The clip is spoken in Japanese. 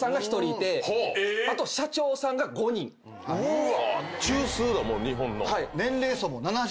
うわ！